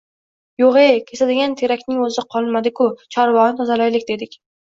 Yoʻgʻ-e, kesadigan terakning oʻzi qolmadi-ku. Chorbogʻni tozalaylik dedik.